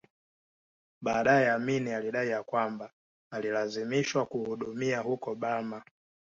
Baadae Amin alidai ya kwamba alilazimishwa kuhudumia huko Burma